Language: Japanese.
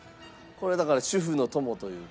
これだから主婦の友というか。